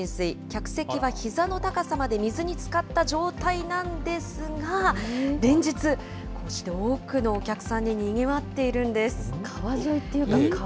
客席はひざの高さまで水につかった状態なんですが、連日、こうして多くのお客さんでにぎわってい川沿いっていうか、川？